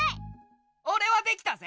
オレはできたぜ！